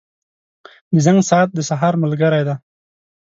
• د زنګ ساعت د سهار ملګری دی.